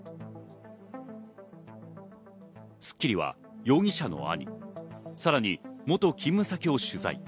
『スッキリ』は容疑者の兄、さらに元勤務先を取材。